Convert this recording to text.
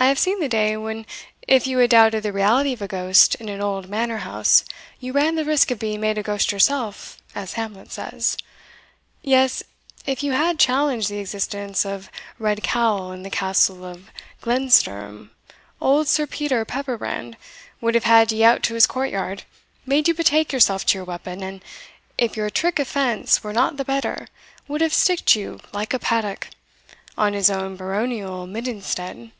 I have seen the day, when if you had doubted the reality of a ghost in an old manor house you ran the risk of being made a ghost yourself, as Hamlet says. Yes, if you had challenged the existence of Redcowl in the Castle of Glenstirym, old Sir Peter Pepperbrand would have had ye out to his court yard, made you betake yourself to your weapon, and if your trick of fence were not the better, would have sticked you like a paddock, on his own baronial midden stead.